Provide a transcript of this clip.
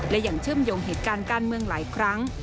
และยังเชื่อมโยงเหตุการณ์การเมืองหลายครั้ง